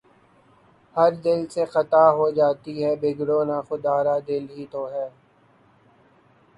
ہر دل سے خطا ہو جاتی ہے، بگڑو نہ خدارا، دل ہی تو ہے